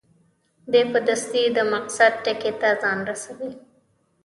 دی په دستي د مقصد ټکي ته ځان رسوي.